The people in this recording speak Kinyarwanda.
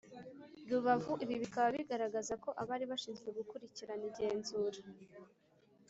Rubavu ibi bikaba bigaragaza ko abari bashinzwe gukurikirana igenzura